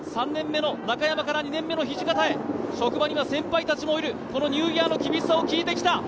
３年目の中山から２年目の土方へ職場には先輩たちもいる、ニューイヤーの厳しさも聞いてきた。